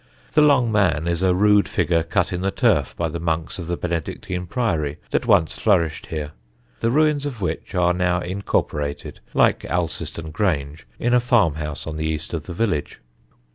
The Long Man is a rude figure cut in the turf by the monks of the Benedictine priory that once flourished here, the ruins of which are now incorporated (like Alciston Grange) in a farm house on the east of the village.